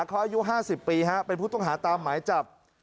เขาอายุ๕๐ปีเป็นผู้ต้องหาตามหมายจับ